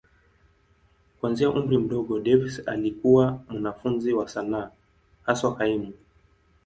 Kuanzia umri mdogo, Davis alikuwa mwanafunzi wa sanaa, haswa kaimu.